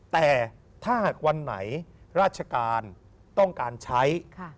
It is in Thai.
แต่ถ้าวันไหนราชการต้องการใช้